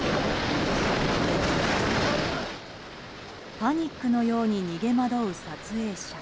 パニックのように逃げ惑う撮影者。